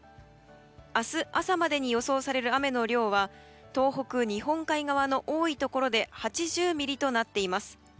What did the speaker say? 明日朝までに予想される雨の量は東北日本海側の多いところで８０ミリとなっています。